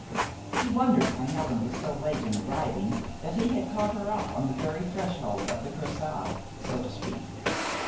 He wondered why Helen was so late in arriving that he had caught her up on the very threshold of the Kursaal, so to speak.